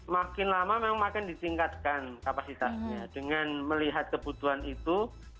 makin lama memang makin ditingkatkan kapasitasnya dengan melihat kebutuhan itu